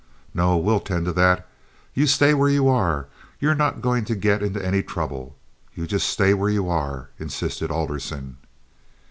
"No. We'll tend to that. You stay where you are. You're not going to get into any trouble. You just stay where you are," insisted Alderson.